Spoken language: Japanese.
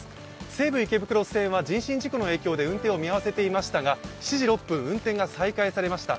西武池袋線は人身事故の影響で運転を見合わせていましたが、７時６分、運転が再開されました。